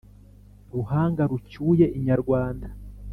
ruhanga rucyuye inyarwanda !